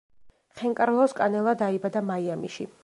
ხენკარლოს კანელა დაიბადა მაიამიში.